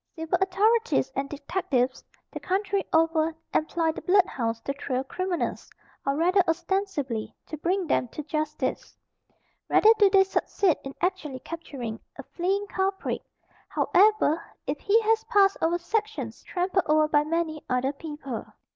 Civil authorities and detectives, the country over, employ the blood hounds to trail criminals, or rather ostensibly to bring them to justice. Rarely do they succeed in actually capturing a fleeing culprit, however, if he has passed over sections trampled over by many other people.